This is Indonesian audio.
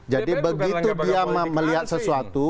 begitu dia melihat sesuatu